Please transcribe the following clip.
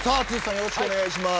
よろしくお願いします。